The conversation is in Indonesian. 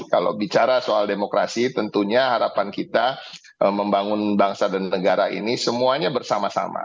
kalau bicara soal demokrasi tentunya harapan kita membangun bangsa dan negara ini semuanya bersama sama